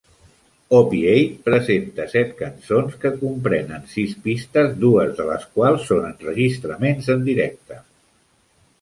Opiate presenta set cançons que comprenen sis pistes, dues de les quals són enregistraments en directe.